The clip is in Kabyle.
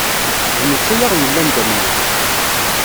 D netta ay aɣ-yellan d amnir.